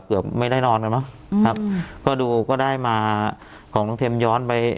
เกือบไม่ได้นอนกันมั้งครับก็ดูก็ได้มาของน้องเทมย้อนไป